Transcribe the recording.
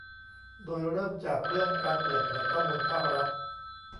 โดยเริ่มจากเรื่องการเปิดเผยข้อมูลภาครัฐ